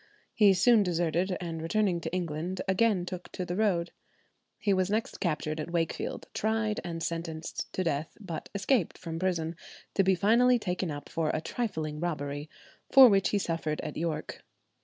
He soon deserted, and returning to England, again took to the road. He was next captured at Wakefield, tried, and sentenced to death; but escaped from prison, to be finally taken up for a trifling robbery, for which he suffered at York.